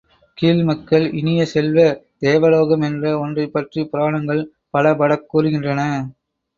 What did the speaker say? கீழ்மக்கள் இனிய செல்வ, தேவலோகம் என்ற ஒன்றைப்பற்றிப் புராணங்கள் பலபடக் கூறுகின்றன.